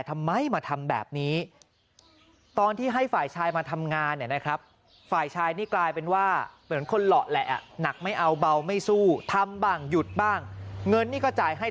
ทำไมมาทำแบบนี้ตอนที่ให้ฝ่ายชายมาทำงานเนี่ยนะครับฝ่าย